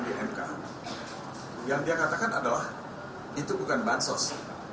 di mk yang dia katakan adalah itu bukan bansos